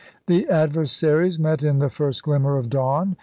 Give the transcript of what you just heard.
The adversaries met in the first glimmer of dawn.